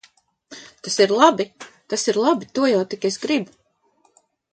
Tas ir labi! Tas ir labi! To jau tik es gribu.